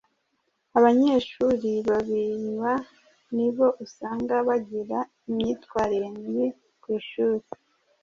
Abanyeshuri babinywa ni bo usanga bagira imyitwarire mibi ku ishuri,